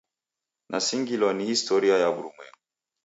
Nasingilwa ni historia ya w'urumwengu.